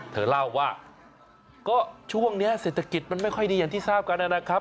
เธอเล่าว่าก็ช่วงนี้เศรษฐกิจมันไม่ค่อยดีอย่างที่ทราบกันนะครับ